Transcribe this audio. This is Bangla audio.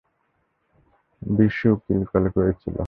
বিশু, উকিল কল করেছিল।